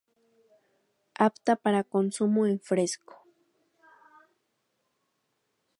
Apta para consumo en fresco.